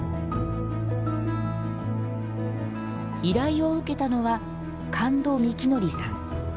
依頼を受けたのは神門幹典さん。